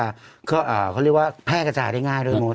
ก็เขาเรียกว่าแพทย์กระจ่ายได้ง่ายด้วยมุด